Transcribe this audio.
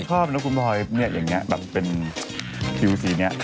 แต่ผมชอบเนาะคุณพลอยเนี่ยอย่างเนี่ยแบบเป็นผิวสีเนี่ย